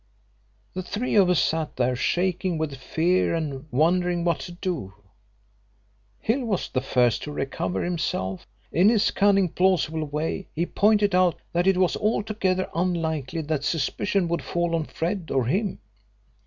"The three of us sat there shaking with fear and wondering what to do. Hill was the first to recover himself. In his cunning plausible way, he pointed out that it was altogether unlikely that suspicion would fall on Fred or him.